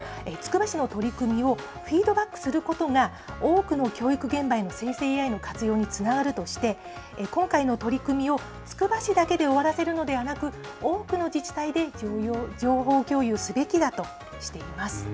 デジタル教育に詳しい専門家はつくば市の取り組みをフィードバックすることが多くの教育現場への生成ＡＩの活用につながるとして今回の取り組みをつくば市だけで終わらせるのではなく多くの自治体で情報共有すべきだとしています。